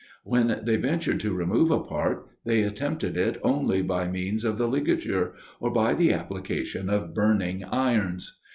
When they ventured to remove a part, they attempted it only by means of the ligature, or by the application of burning irons.